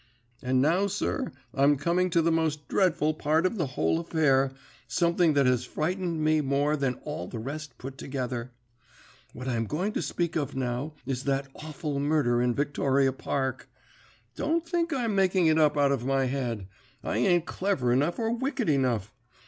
And now, sir, I'm coming to the most dreadful part of the whole affair, something that has frightened me more than all the rest put together. What I'm going to speak of now is that awful murder in Victoria Park. Don't think I'm making it up out of my head. I ain't clever enough or wicked enough.